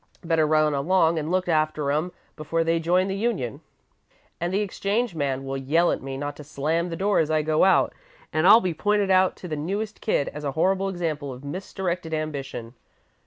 Better run along and look after 'em before they join the union.' "And the exchange man will yell at me not to slam the door as I go out, and I'll be pointed out to the newest kid as a horrible example of misdirected ambition.